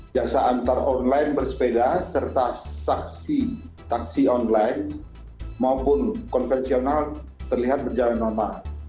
jasa antar online bersepeda serta taksi online maupun konvensional terlihat berjalan normal